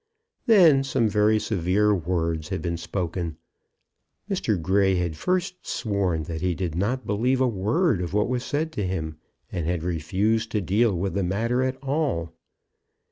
Then some very severe words had been spoken. Mr. Grey had first sworn that he did not believe a word of what was said to him, and had refused to deal with the matter at all.